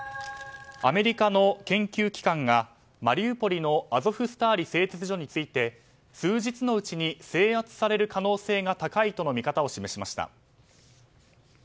アメリカの研究機関がマリウポリのアゾフスターリ製鉄所について数日のうちに制圧される可能性が高いとの見方を示しました。